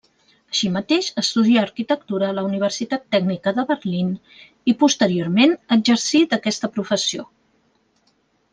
Així mateix estudià arquitectura a la Universitat Tècnica de Berlín i posteriorment exercí d'aquesta professió.